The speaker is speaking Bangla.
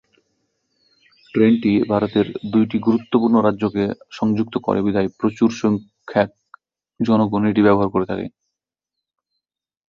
ট্রেনটি ভারতের দুইটি গুরুত্বপূর্ণ রাজ্যকে সংযুক্ত করে বিধায় প্রচুর সংখ্যাক জনগণ এটি ব্যবহার করে থাকে।